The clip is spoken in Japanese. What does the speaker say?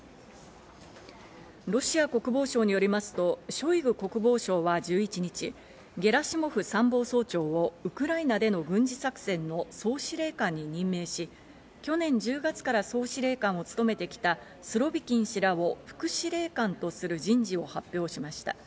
ロシア国防省によりますとショイグ国防相は１１日、ゲラシモフ参謀総長をウクライナでの軍事作戦の総司令官に任命し、去年１０月から総司令官を務めてきたスロビキン氏らを副司令官とする人事を発表しました。